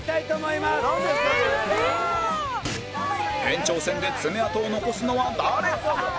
延長戦で爪痕を残すのは誰？